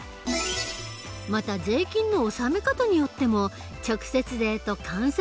また税金の納め方によっても直接税と間接税がある。